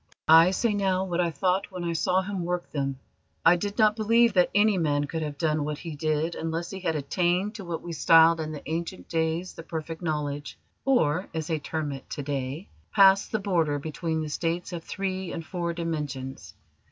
"I say now what I thought when I saw him work them. I did not believe that any man could have done what he did unless he had attained to what we styled in the ancient days the Perfect Knowledge, or, as they term it to day, passed the border between the states of three and four dimensions.